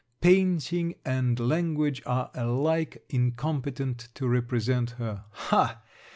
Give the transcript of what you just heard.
Painting and language are alike incompetent to represent her. Ha!